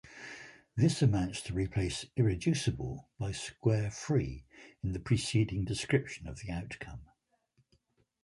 This amounts to replace "irreducible" by "square-free" in the preceding description of the outcome.